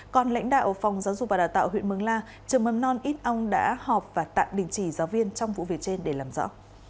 còn lãnh đạo phòng giáo dục và đào tạo huyện mường la trường mầm non ít âu đã họp và tạm đình chỉ giáo viên trong vụ việc trên để làm rõ